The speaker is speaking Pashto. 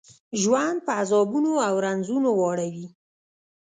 ژوند په عذابونو او رنځونو واړوي.